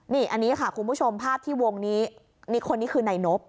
นี่อันนี้ค่ะคุณผู้ชมภาพที่วงนี้นี่คนนี้คือนายนบ